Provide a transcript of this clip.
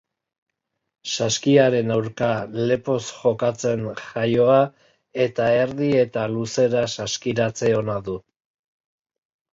Saskiaren aurka lepoz jokatzen jaioa eta erdi eta luzera saskiratze ona du.